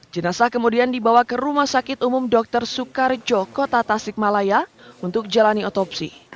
jenazah kemudian dibawa ke rumah sakit umum dr soekarjo kota tasikmalaya untuk jalani otopsi